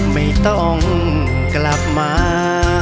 ไม่ต้องกลับมา